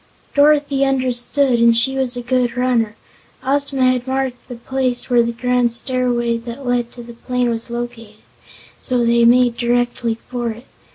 Dorothy understood and she was a good runner. Ozma had marked the place where the grand stairway that led to the plain was located, so they made directly for it.